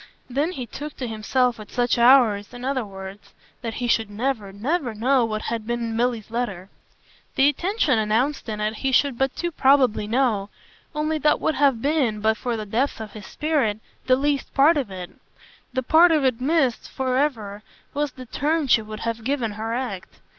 Then he took to himself at such hours, in other words, that he should never, never know what had been in Milly's letter. The intention announced in it he should but too probably know; only that would have been, but for the depths of his spirit, the least part of it. The part of it missed for ever was the turn she would have given her act.